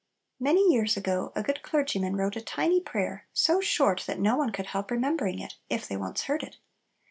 Many years ago a good clergyman wrote a tiny prayer, so short that no one could help remembering it if they once heard it.